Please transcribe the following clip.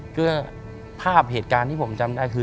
เพื่อภาพเหตุการณ์ที่ผมจำได้คือ